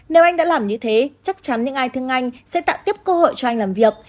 nếu anh đã làm như thế chắc chắn những ai thương anh sẽ tạo tiếp cơ hội cho anh làm việc